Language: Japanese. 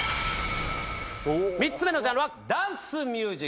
３つ目のジャンルは「ダンスミュージック」。